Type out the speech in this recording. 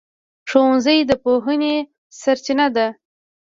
ښوونځی د پوهنې سرچینه ده.